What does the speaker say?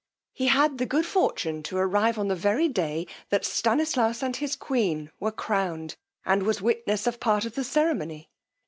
He had the good fortune to arrive on the very day that Stanislaus and his queen were crowned, and was witness of part of the ceremony.